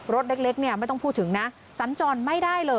รถเล็กไม่ต้องพูดถึงนะ